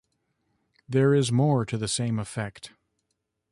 There is more to the same effect.